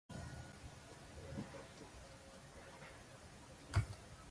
Cuando Shion es llevado por los agentes de seguridad de No.